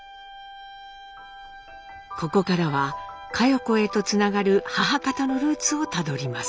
ここからは佳代子へとつながる母方のルーツをたどります。